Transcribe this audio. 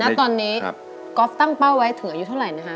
ณตอนนี้ก๊อฟตั้งเป้าไว้ถึงอายุเท่าไหร่นะฮะ